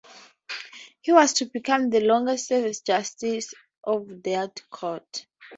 He was to become the longest serving Justice of that court.